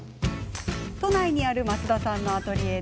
都内にある増田さんのアトリエ。